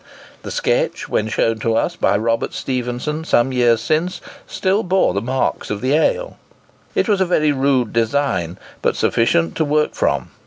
The sketch, when shown to us by Robert Stephenson some years since, still bore the marks of the ale. It was a very rude design, but sufficient to work from.